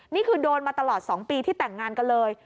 นี่คือโดนมาตลอด๒ปีที่แต่งงานกันเลย